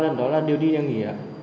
ba lần đó là điều đi nhanh nghỉ